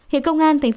huyện công an tp hcm